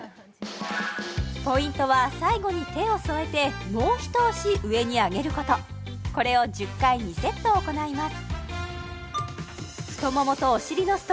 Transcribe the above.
ポイントは最後に手を添えてもうひと押し上に上げることこれを１０回２セット行います